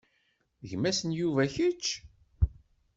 D gma-s n Yuba kečč?